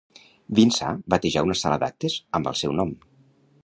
Vinçà batejà una sala d'actes amb el seu nom.